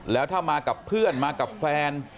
แล้วถ้ามากับเพื่อนมากับแฟน